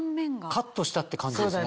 カットしたって感じですね。